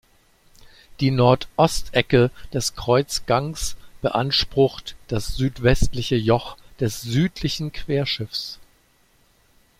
Die Nordostecke des Kreuzgangs beansprucht das südwestliche Joch des südlichen Querschiffs.